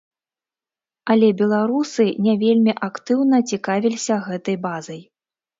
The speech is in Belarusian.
Але беларусы не вельмі актыўна цікавіліся гэтай базай.